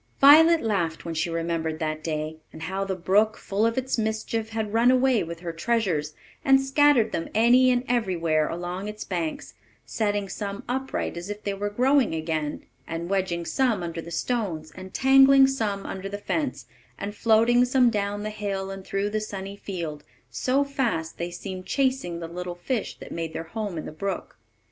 Violet laughed when she remembered that day, and how the brook, full of its mischief, had run away with her treasures, and scattered them any and every where along its banks, setting some upright, as if they were growing again, and wedging some under the stones, and tangling some under the fence, and floating some down the hill and through the sunny field, so fast they seemed chasing the little fish that made their home in the brook.